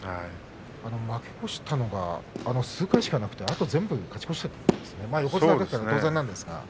負け越したのが数回しかなくてあと全部勝ち越しているんですね。